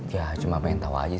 ya cuma pengen tau aja sih